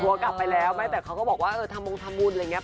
ทัวร์กลับไปแล้วแต่เขาก็บอกว่าทำมงทำมูลอะไรอย่างเงี้ย